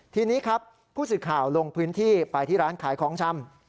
ทีนี้ครับผู้สื่อข่าวลงพื้นที่ไปที่ร้านขายของชำ